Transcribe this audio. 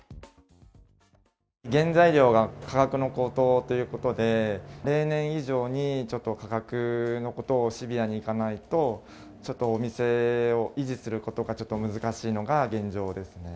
原材料が、価格の高騰ということで、例年以上にちょっと価格のことをシビアにいかないと、ちょっとお店を維持することが、ちょっと難しいのが現状ですね。